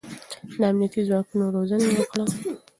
د امنيتي ځواک روزنه يې وکړه.